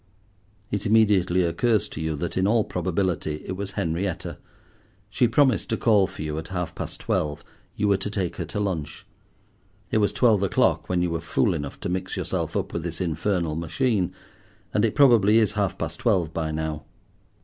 It immediately occurs to you that in all probability it was Henrietta. She promised to call for you at half past twelve: you were to take her to lunch. It was twelve o'clock when you were fool enough to mix yourself up with this infernal machine, and it probably is half past twelve by now.